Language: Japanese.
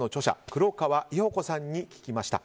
黒川伊保子さんに聞きました。